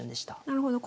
なるほど。